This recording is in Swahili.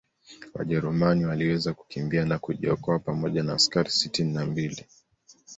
Wajerumani waliweza kukimbia na kujiokoa pamoja na askari sitini na mbili